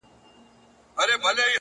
ککرۍ يې دي رېبلي دې بدرنگو ککریو؛